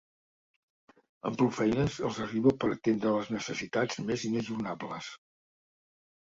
Amb prou feines els arriba per atendre les necessitats més inajornables.